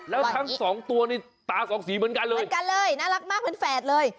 แล้วทั้งสองตัวนี่ตาสองสีเหมือนกันเลยเหมือนกันเลยน่ารักมากเป็นแฝดเลย